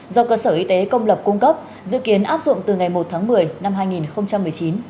do cơ sở y tế công lập cung cấp dự kiến áp dụng từ ngày một tháng một mươi năm hai nghìn một mươi chín